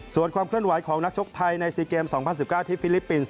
ส่วนความเคลื่อนไหวของนักชกไทยใน๔เกม๒๐๑๙ที่ฟิลิปปินส์